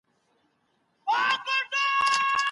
دا کیله د پوتاشیم تر ټولو لویه او طبیعي سرچینه ده.